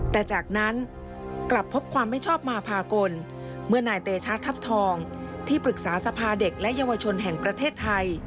แต่จากนั้นกลับพบความไม่ชอบมาพากลเมื่อนายเตชะทัพทองที่ปรึกษาสภาเด็กและเยาวชนแห่งประเทศไทย